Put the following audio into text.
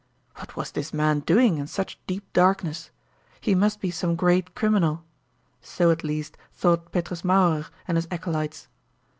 What was this man doing in such deep darkness? He must be some great criminal! So at least thought Petrus Mauerer and his acolytes.